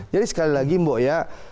jadi sekali lagi mbok ya